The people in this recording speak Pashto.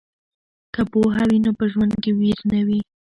که پوهه وي نو په ژوند کې ویر نه وي.